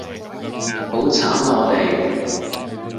好慘啊我哋